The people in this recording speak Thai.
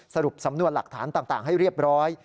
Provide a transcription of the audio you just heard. สรุปสำนวนหลักฐานต่างให้เรียบร้อย